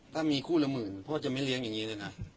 ถ้ามีคู่ละหมื่นพ่อจะไม่เลี้ยงอย่างนี้เลยนะ